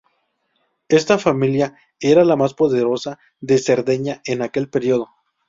Esta familia era la más poderosa de Cerdeña en aquel periodo.